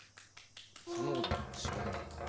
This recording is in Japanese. そんなこと知らねえよ。